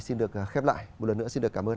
xin được khép lại một lần nữa xin được cảm ơn